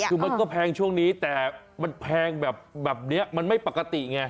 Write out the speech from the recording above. คือมันก็แพงช่วงนี้แต่มันแพงแบบนี้มันไม่ปกติไง